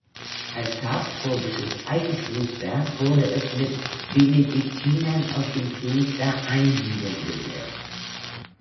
Als habsburgisches Eigenkloster wurde es mit Benediktinern aus dem Kloster Einsiedeln besetzt.